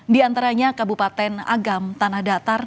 di antaranya kabupaten agam tanah datar